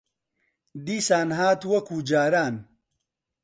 دیسان هات وەکوو جاران